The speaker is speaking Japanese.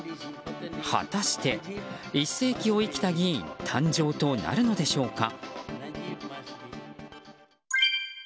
果たして、１世紀を生きた議員誕生となるのでしょうか。